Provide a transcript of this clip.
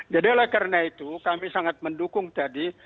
jadi karena itu kami sangat mendukung tadi